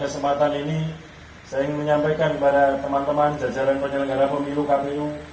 kesempatan ini saya ingin menyampaikan kepada teman teman jajaran penyelenggara pemilu kpu